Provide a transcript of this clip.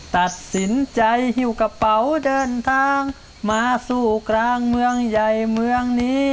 ตัดสินใจหิวกระเป๋าเดินทางมาสู้กลางเมืองใหญ่เมืองนี้